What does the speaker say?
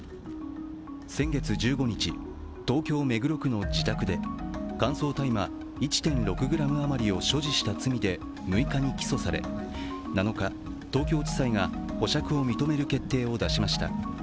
先月１５日、東京・目黒区の自宅で乾燥大麻１．６ｇ余りを所持した罪で６日に起訴され、７日、東京地裁が保釈を認める決定を出しました。